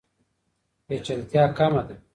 پیچلتیا کمه ده.